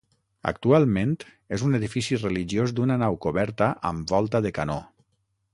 Actualment és un edifici religiós d'una nau coberta amb volta de canó.